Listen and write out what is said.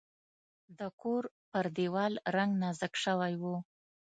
د کور پر دیوال رنګ نازک شوی و.